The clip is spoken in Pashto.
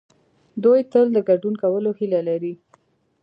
دوی تل د ګډون کولو هيله لري.